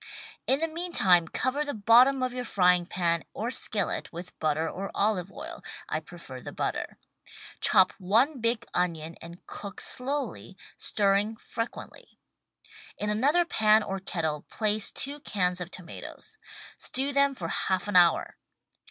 In the meantime cover the bottom of your frying pan or skillet with butter or olive oil (I prefer the butter). Chop one big onion and cook slowly, stirring frequently. In another pan or kettle place two cans of tomatoes. Stew them for half an hour.